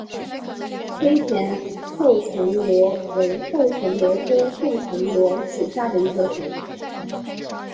黑田厚唇螺为厚唇螺科厚唇螺属下的一个种。